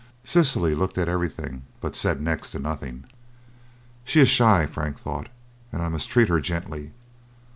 Cecily looked at everything, but said next to nothing. "She is shy," Frank thought, "and I must treat her gently."